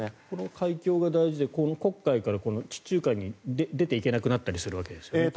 この海峡が大事で黒海から地中海に出ていけなくなったりするわけですね。